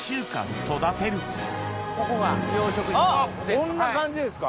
こんな感じですか！